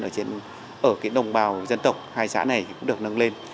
ở cái đồng bào dân tộc hai xã này cũng được nâng lên